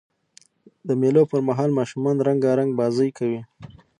د مېلو پر مهال ماشومان رنګارنګ بازۍ کوي.